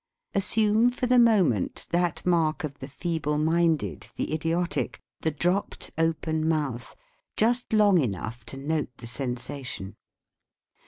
Assume for the moment that mark of the feeble minded, the idiotic, the dropped open mouth, just long enough to note the sensa tion.